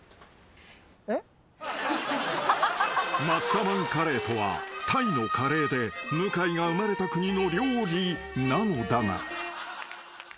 ［マッサマンカレーとはタイのカレーで向井が生まれた国の料理なのだが］